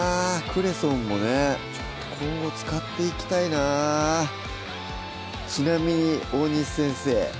クレソンもね今後使っていきたいなぁちなみに大西先生